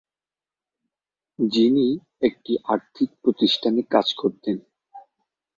যিনি একটি আর্থিক প্রতিষ্ঠানে কাজ করতেন।